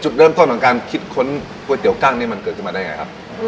จุดเริ่มต้นของการคิดค้นก๋วยเตี๋ยกั้งนี่มันเกิดขึ้นมาได้ไงครับ